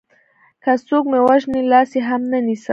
که څوک مې وژني لاس يې هم نه نيسم